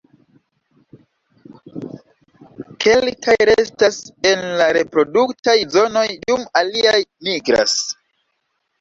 Kelkaj restas en la reproduktaj zonoj, dum aliaj migras.